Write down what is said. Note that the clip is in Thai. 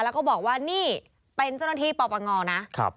แล้วก็บอกว่านี่เป็นเจ้าหน้าที่ปอบอังอนะ